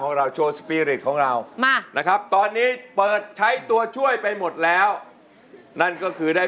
ในแต่ละวันพี่นั้นต้องทำงานถ้าไม่มีใจรักใครหนอจะร่วมทางได้